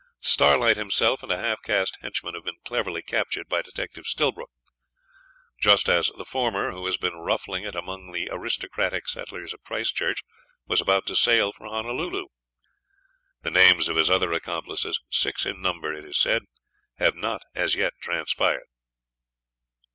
Starlight himself and a half caste henchman have been cleverly captured by Detective Stillbrook, just as the former, who has been ruffling it among the 'aristocratic' settlers of Christchurch, was about to sail for Honolulu. The names of his other accomplices, six in number, it is said, have not as yet transpired.